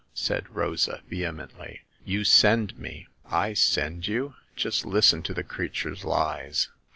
" said Rosa, vehemently ; you send me." I send you ! Just listen to the creature's lies